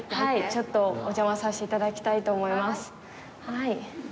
ちょっとお邪魔させて頂きたいと思います。